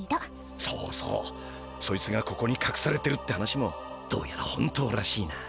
そうそうそいつがここにかくされてるって話もどうやら本当らしいな。